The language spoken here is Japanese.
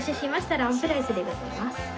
ランプライスでございます。